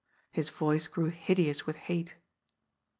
His voice grew hideous with hate.